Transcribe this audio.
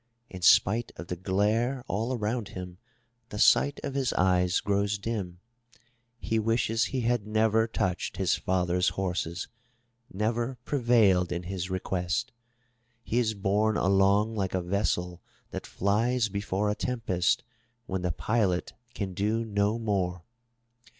In spite of the glare all around him, the sight of his eyes grows dim. He wishes he had never touched his father's horses, never prevailed in his request. He is borne along like a vessel that flies be fore a tempest, when the pilot can do no more.